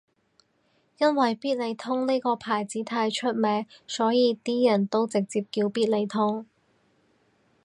因為必理痛呢個牌子太出名所以啲人都直接叫必理痛